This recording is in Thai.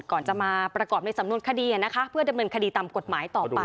ก่อนจะมาประกอบในสำนวนคดีนะคะเพื่อดำเนินคดีตามกฎหมายต่อไป